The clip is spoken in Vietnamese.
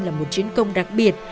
là một chiến công đặc biệt